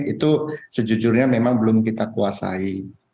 itu sejujurnya memang belum kita kuasai